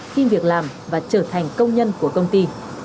xin việc làm và trở thành công nhân của công ty